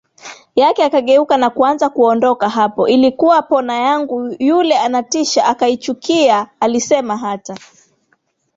yake akageuka na kuanza kuondokaHapo ilikuwa pona yangu Yule anatisha akichukia alisemaHata